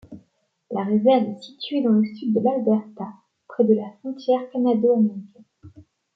La réserve est située dans le Sud de l'Alberta près de la frontière canado-américaine.